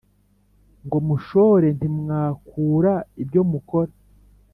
ngo mushore ntimwakura ibyo mukora